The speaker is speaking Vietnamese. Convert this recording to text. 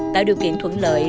tạo điều kiện thuận lợi